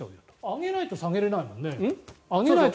上げないと下げれないもんね。